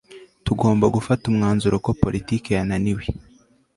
Tugomba gufata umwanzuro ko politiki yananiwe